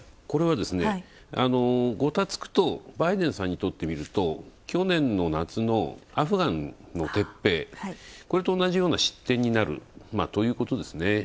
これは、ごたつくとバイデンさんにとってみると去年の夏のアフガンの撤兵、これと同じような失点になるということですね。